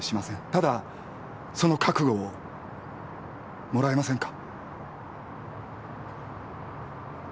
ただその覚悟をもらえませんか？